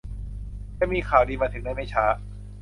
จะมีข่าวดีมาถึงในไม่ช้า